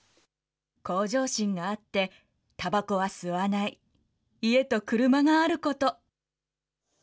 向上心があって、たばこは吸わない、家と車があること。